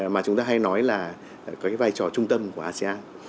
mà chúng ta hay nói là có cái vai trò trung tâm của asean